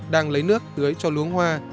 đang lấy nước tưới cho luống hoa